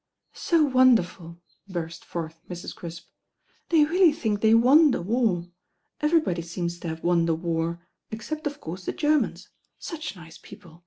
"So wonderful," burst forth Mrs. Crisp, "they really think they won the war. Everybody seems to have won the war, except of course the Germans. Such nice people.